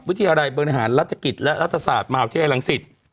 วิทยาลัยบริหารรัชกิจและรัฐศาสตร์มหาวิทยาลัยลังศิษย์